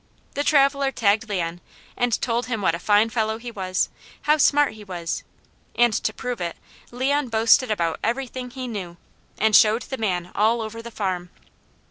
The traveller tagged Leon and told him what a fine fellow he was, how smart he was, and to prove it, Leon boasted about everything he knew, and showed the man all over the farm.